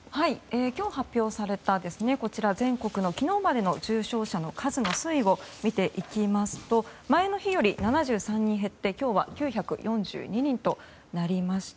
今日発表された全国の昨日までの重症者の数の推移を見ていきますと前の日より７３人減って今日は９４２人となりました。